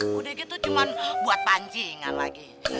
budegi tuh cuma buat pancingan lagi